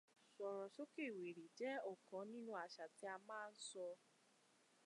Sọrọ soke were' jẹ́ ọ̀kan nínú àṣà tí a màa ń sọ.